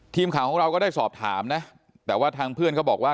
ทีมข่าวของเราก็ได้สอบถามนะแต่ว่าทางเพื่อนเขาบอกว่า